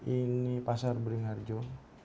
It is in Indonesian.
ini pasar beringharjo